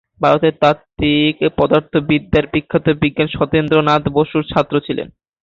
ভারতের তাত্ত্বিক পদার্থবিদ্যার বিখ্যাত বিজ্ঞানী সত্যেন্দ্রনাথ বসুর ছাত্র ছিলেন।